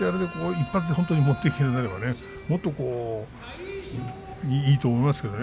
１発で持っていけばもっといいと思いますけどね。